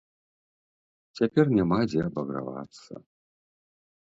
Цяпер няма дзе абагравацца.